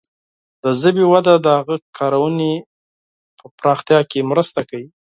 د ژبې وده د هغه کارونې پراختیا کې مرسته کوي.